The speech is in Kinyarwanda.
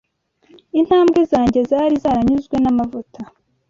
Intambwe zanjye zari zaranyuzwe n’amavuta